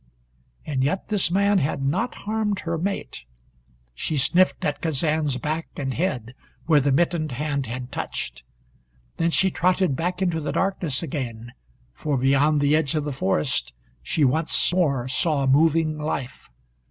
And yet this man had not harmed her mate. She sniffed at Kazan's back and head, where the mittened hand had touched. Then she trotted back into the darkness again, for beyond the edge of the forest she once more saw moving life.